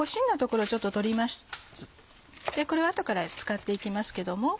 これを後から使って行きますけども。